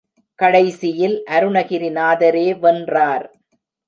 கடைசியில் அருணகிரிநாதரே வென்றார்.